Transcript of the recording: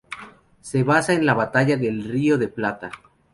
Se basa en la Batalla del río de la plata.